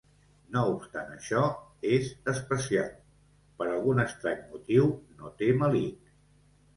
No obstant això, és especial, per algun estrany motiu no té melic.